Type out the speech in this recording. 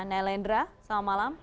naylendra selamat malam